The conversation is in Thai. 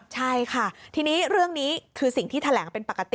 ใช่ค่ะทีนี้เรื่องนี้คือสิ่งที่แถลงเป็นปกติ